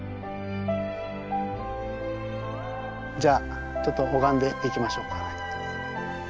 じゃあちょっと拝んでいきましょうかね。